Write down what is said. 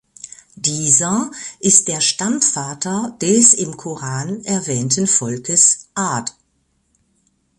Dieser ist der Stammvater des im Koran erwähnten Volkes ʿĀd.